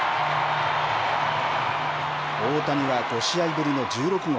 大谷は５試合ぶりの１６号。